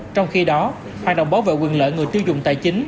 trong khi đó hoạt động bảo vệ quyền lợi người tiêu dùng tài chính